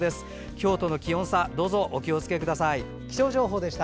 今日との気温差にお気をつけください。